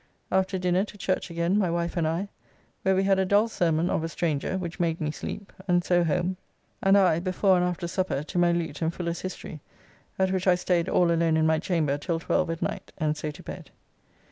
After dinner to church again, my wife and I, where we had a dull sermon of a stranger, which made me sleep, and so home, and I, before and after supper, to my lute and Fuller's History, at which I staid all alone in my chamber till 12 at night, and so to bed.